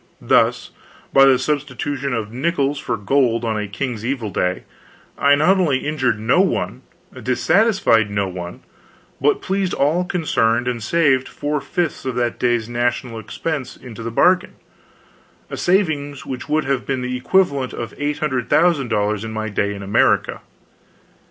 Thus, by the substitution of nickels for gold on a king's evil day, I not only injured no one, dissatisfied no one, but pleased all concerned and saved four fifths of that day's national expense into the bargain a saving which would have been the equivalent of $800,000 in my day in America.